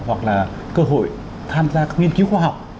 hoặc là cơ hội tham gia các nghiên cứu khoa học